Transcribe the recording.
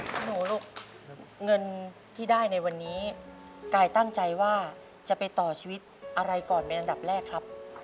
หนูลูกเงินที่ได้ในวันนี้กายตั้งใจว่าจะไปต่อชีวิตอะไรก่อนเป็นอันดับแรกครับ